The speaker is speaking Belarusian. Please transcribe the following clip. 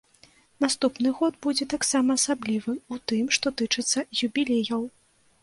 Наступны год будзе таксама асаблівы ў тым, што тычыцца юбілеяў.